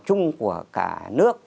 trung của cả nước